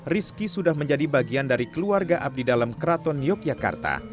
rizki sudah menjadi bagian dari keluarga abdi dalam keraton yogyakarta